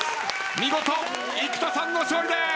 見事生田さんの勝利です！